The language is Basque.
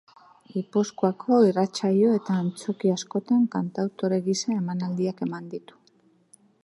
Gipuzkoako irratsaio eta antzoki askotan kantautore gisa emanaldiak eman ditu.